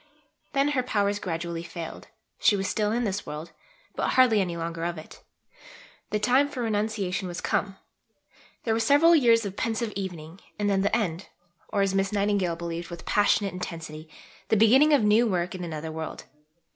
Then her powers gradually failed; she was still in this world, but hardly any longer of it. The time for renunciation was come. There were several years of pensive evening; and then, the end or, as Miss Nightingale believed with passionate intensity, the beginning of new work in another world.